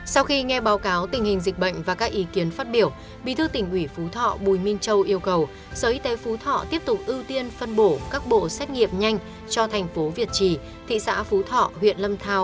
sau khi nghe báo cáo tình hình dịch bệnh và các ý kiến phát biểu bí thư tỉnh ủy phú thọ bùi minh châu yêu cầu sở y tế phú thọ tiếp tục ưu tiên phân bổ các bộ xét nghiệm nhanh cho thành phố việt trì thị xã phú thọ huyện lâm thao